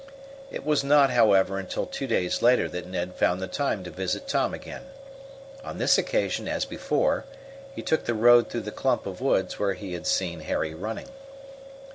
It was not, however, until two days later that Ned found the time to visit Tom again. On this occasion, as before, he took the road through the clump of woods where he had seen Harry running.